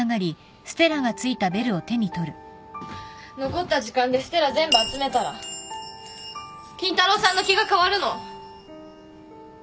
残った時間で星全部集めたら金太郎さんの気が変わるの？